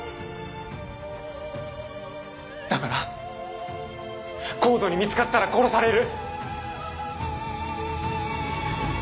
だからＣＯＤＥに見つかったら殺される。